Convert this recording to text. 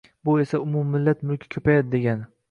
Bu esa umummillat mulki ko‘payadi degani.